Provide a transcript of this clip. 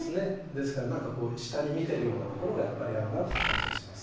ですから何かこう下に見てるようなところがやっぱりあるなって感じがします。